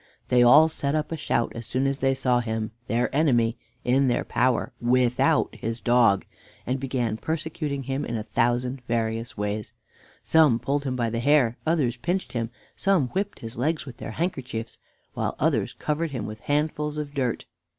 They all set up a shout as soon as they saw him, their enemy, in their power, without his dog, and began persecuting him in a thousand various ways. Some pulled him by the hair, others pinched him, some whipped his legs with their handkerchiefs, while others covered him with handfuls of dirt.